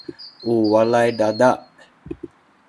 u walay dada’